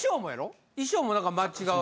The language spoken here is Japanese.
衣装も何か間違う。